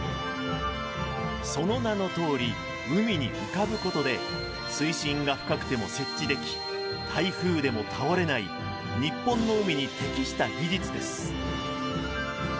その名のとおり海に浮かぶことで水深が深くても設置でき台風でも倒れない日本の海に適した技術です